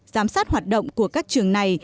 giám sát hoạt động của các trường này